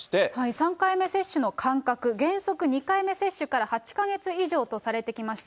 ３回目接種の間隔、原則、２回目接種から８か月以上とされてきました。